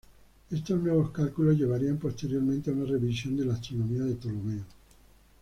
Estos nuevos cálculos llevarían posteriormente a una revisión de la astronomía de Ptolomeo.